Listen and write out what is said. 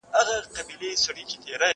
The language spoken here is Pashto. دې چي ول ډوډۍ به بالا پخه وي باره يخه وختل